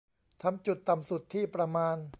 ทำจุดต่ำสุดที่ประมาณ